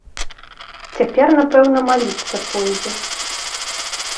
Цяпер, напэўна, маліцца пойдзе!